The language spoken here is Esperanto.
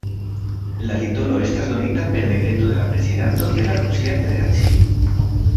La titolo estas donita per dekreto de la prezidanto de la Rusia Federacio.